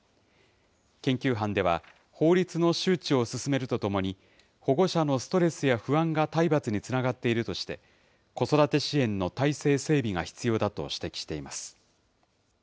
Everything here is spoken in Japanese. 研究班では、法律の周知を進めるとともに、保護者のストレスや不安が体罰につながっているとして、子育て支援の体制整備が必要だと指摘しています。